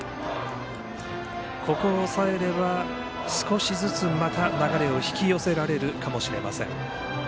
ここを抑えれば少しずつ流れを引き寄せられるかもしれません。